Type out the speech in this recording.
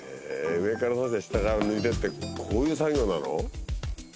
上から刺して下から抜いてってこういう作業なの？